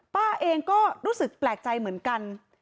ป้าเองก็รู้สึกแปลกใจเหมือนกัน